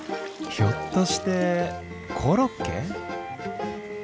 ひょっとしてコロッケ？